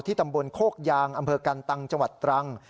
ตำบลโคกยางอำเภอกันตังจังหวัดตรัง